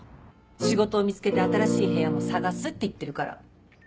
仕事を見つけて新しい部屋も探すって言ってるから。